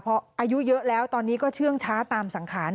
พออายุเยอะแล้วตอนนี้ก็เชื่องช้าตามสังขาร